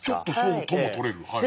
ちょっとそうともとれる。